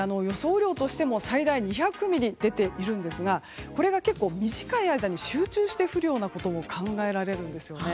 雨量としても最大２００ミリ出ているんですがこれが短い間に集中して降ることも考えられるんです。